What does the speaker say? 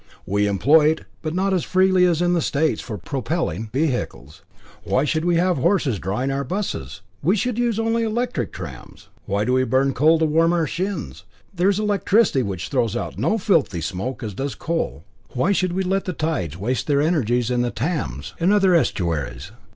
We employ it, but not as freely as in the States, for propelling vehicles. Why should we have horses drawing our buses? We should use only electric trams. Why do we burn coal to warm our shins? There is electricity, which throws out no filthy smoke as does coal. Why should we let the tides waste their energies in the Thames? in other estuaries?